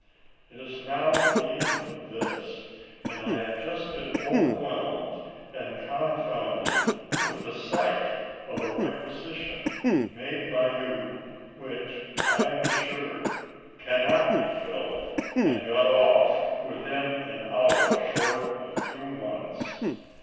It is now the end of this, and I have just been overwhelmed and confounded with the sight of a requisition made by you which, I am assured, cannot be filled and got off within an hour short of two months.